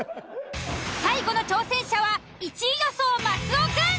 最後の挑戦者は１位予想松尾くん。